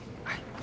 はい。